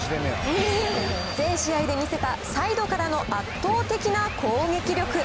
全試合で見せた、サイドからの圧倒的な攻撃力。